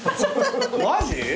マジ？